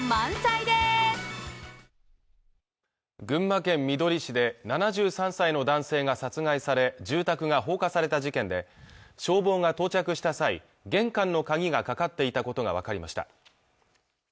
群馬県みどり市で７３歳の男性が殺害され住宅が放火された事件で消防が到着した際、玄関の鍵がかかっていたことが分かりました